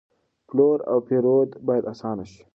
پلور او پېرود باید آسانه شي.